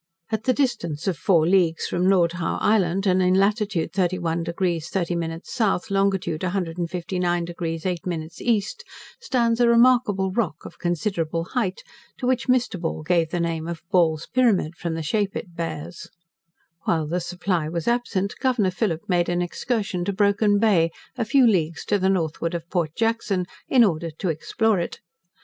At the distance of four leagues from Lord Howe Island, and in latitude 31 deg 30 min south, longitude 159 deg 8 min east, stands a remarkable rock, of considerable height, to which Mr. Ball gave the name of Ball's Pyramid, from the shape it bears. While the 'Supply' was absent, Governor Phillip made an excursion to Broken Bay, a few leagues to the northward of Port Jackson, in order to explore it.